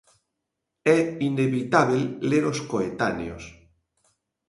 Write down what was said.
É inevitábel ler os coetáneos.